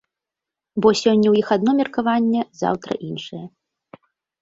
Бо сёння ў іх адно меркаванне, заўтра іншае.